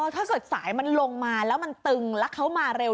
ถ้าเกิดสายมันลงมาแล้วมันตึงแล้วเขามาเร็ว